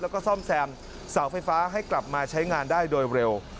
แล้วก็ซ่อมแซมเสาไฟฟ้าให้กลับมาใช้งานได้โดยเร็ว